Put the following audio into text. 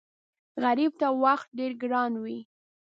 غریب ته وخت ډېر ګران وي